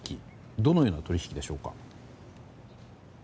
どのような取引でしょうか？